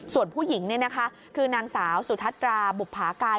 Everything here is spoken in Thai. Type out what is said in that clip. ส่วนผู้หญิงนี่นะคะคือนางสาวสุทัตราบุภากาย